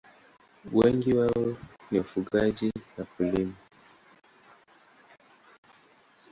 Wengi wao ni wafugaji na wakulima.